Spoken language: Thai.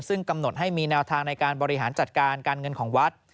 ซึ่งกำหนดให้มีแนวทางในการบริหารจัดการการเงินของวัด